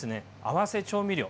合わせ調味料。